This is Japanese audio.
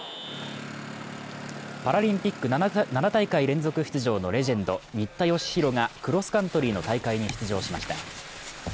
パラリンピック７大会連続出場のレジェンド、新田佳浩がクロスカントリーの大会に出場しました。